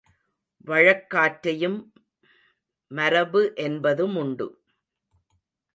வழக்காற்றையும் மரபு என்பதுமுண்டு.